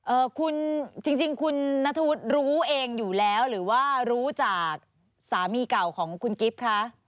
เอ่อคุณจริงจริงคุณนัทธวุฒิรู้เองอยู่แล้วหรือว่ารู้จากสามีเก่าของคุณกิฟต์คะ